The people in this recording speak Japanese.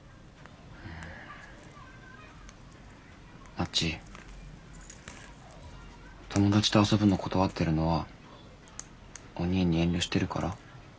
まち友達と遊ぶの断ってるのはおにぃに遠慮してるから？